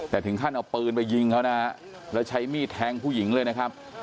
แต่ถึงขั้นเอาปืนไปยิงเขานะฮะแล้วใช้มีดแทงผู้หญิงเลยนะครับ